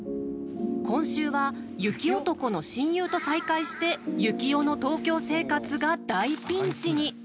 今週は雪男の親友と再会してユキオの東京生活が大ピンチに。